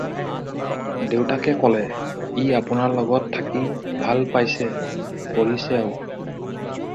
দেউতাকে কলে- "ই আপোনাৰ লগত থাকি ভাল পাইছে, পঢ়িছেও।"